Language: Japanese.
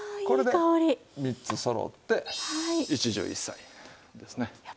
これで３つそろって一汁一菜ですね。